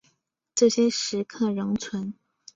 这些石刻仍存。